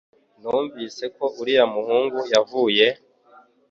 Numvise ko uriya muhungu yavuye